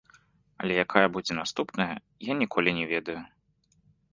Але якая будзе наступная, я ніколі не ведаю.